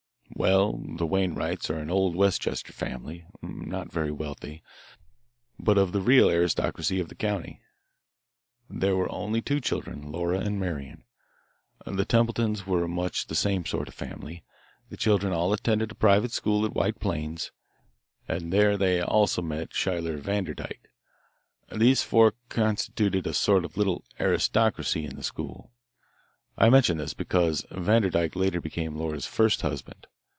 "Well, the Wainwrights are an old Westchester family, not very wealthy, but of the real aristocracy of the county. There were only two children, Laura and Marian. The Templetons were much the same sort of family. The children all attended a private school at White Plains, and there also they met Schuyler Vanderdyke. These four constituted a sort of little aristocracy in the school. I mention this, because Vanderdyke later became Laura's first husband.